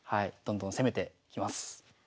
どんどん攻めてきます。